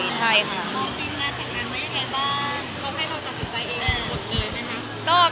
มีงานเสร็จนั้นไว้ไงบ้าง